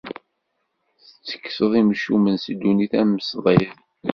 Tettekkseḍ imcumen si ddunit am ṣṣdid.